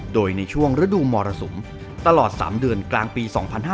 โดยในช่วงฤดูมรสุมตลอด๓เดือนกลางปี๒๕๕๙